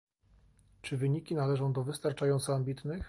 Czy wyniki należą do wystarczająco ambitnych?